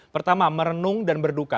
pertama merenung dan berduka